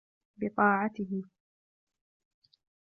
بِطَاعَتِهِ